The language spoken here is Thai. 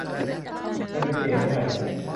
โดยเป็นเกมง่าย